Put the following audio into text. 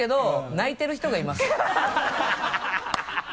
泣いてる人がいます。